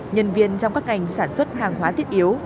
nhân viên trong các ngành sản xuất hàng hóa thiết yếu